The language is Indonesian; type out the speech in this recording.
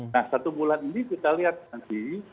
nah satu bulan ini kita lihat nanti